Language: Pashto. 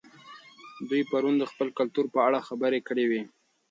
دوی پرون د خپل کلتور په اړه خبرې کړې وې.